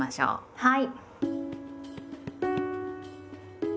はい。